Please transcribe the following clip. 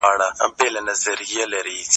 همدې خلیفه د مځکي چاري سمبال کړي.